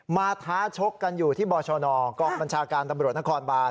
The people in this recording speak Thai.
ท้าชกกันอยู่ที่บชนกองบัญชาการตำรวจนครบาน